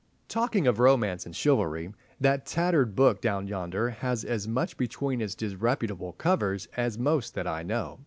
Talking of romance and of chivalry, that tattered book down yonder has as much between its disreputable covers as most that I know.